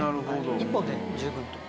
１本で十分と。